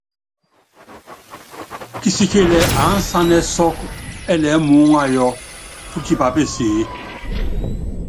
Kisikilɛ aánsanɛ́ sɔ́kɔ́ ɛɛlɛɛ́ muúŋayɔ́, pútipá peseé.